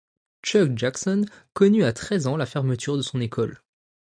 Chuck Jackson connut à treize ans la fermeture de son école.